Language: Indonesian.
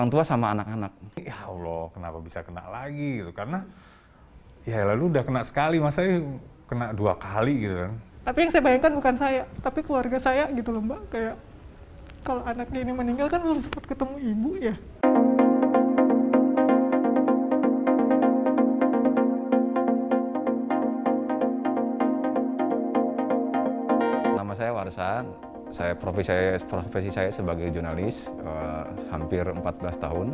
nama saya warsan profesi saya sebagai jurnalis hampir empat belas tahun